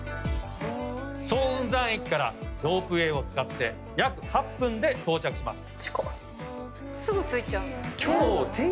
早雲山駅からロープウェイを使って約８分で到着します。